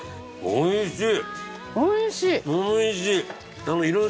おいしい！